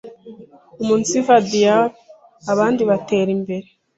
umunsiva dyari. abandi batera imbere.